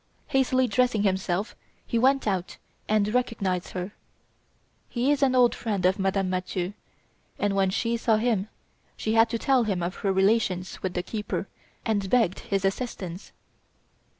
Hastily dressing himself he went out and recognised her. He is an old friend of Madame Mathieu, and when she saw him she had to tell him of her relations with the keeper and begged his assistance.